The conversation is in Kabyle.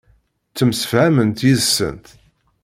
Ttemsefhament yid-sent.